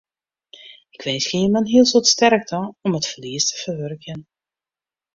Ik winskje jimme in hiel soad sterkte om it ferlies te ferwurkjen.